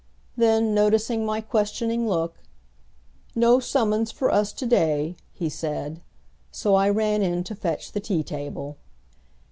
Then, noticing my questioning look, "No summons for us to day," he said; so I ran in to fetch the tea table.